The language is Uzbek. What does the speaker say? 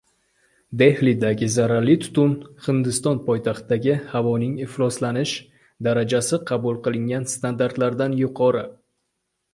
Dehlidagi zaharli tutun: Hindiston poytaxtidagi havoning ifloslanish darajasi qabul qilingan standartlardan yuqori